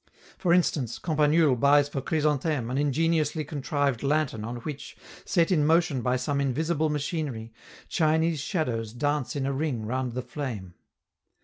For instance, Campanule buys for Chrysantheme an ingeniously contrived lantern on which, set in motion by some invisible machinery, Chinese shadows dance in a ring round the flame.